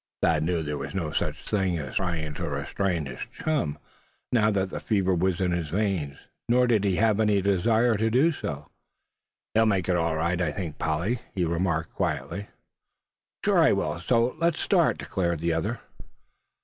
Thad knew there was no such thing as trying to restrain his chum, now that the fever was in his veins; nor did he have any desire to do so. "He'll make it, all right, I think, Polly," he remarked, quietly. "Sure I will; so let's start," declared the other.